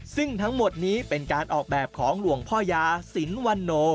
ซึ่งทั้งหมดนี้เป็นการออกแบบของหลวงพ่อยาสินวันโน